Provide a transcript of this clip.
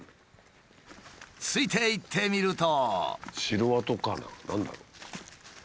ついていってみると。